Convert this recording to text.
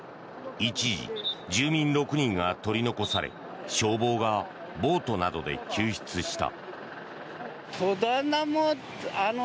一時、住民６人が取り残され消防がボートなどで救出した。